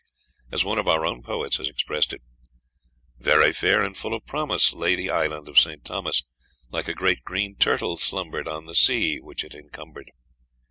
As one of our own poets has expressed it, "Very fair and full of promise Lay the island of St. Thomas; Like a great green turtle slumbered On the sea which it encumbered."